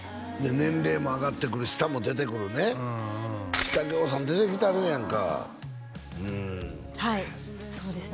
年齢も上がってくる下も出てくるね下ぎょうさん出てきてはるやんかうんはいそうですね